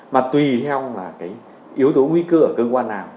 mà tùy theo là cái yếu tố nguy cơ ở cơ quan nào